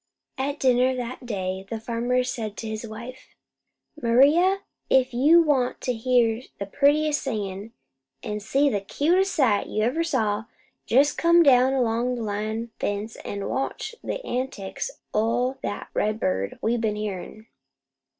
At dinner that day, the farmer said to his wife: "Maria, if you want to hear the prettiest singin', an' see the cutest sight you ever saw, jest come down along the line fence an' watch the antics o' that redbird we been hearin'."